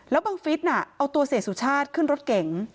และบังฟิตน่ะเอาตัวเศรษฐ์สุชาติขึ้นรถเก่ง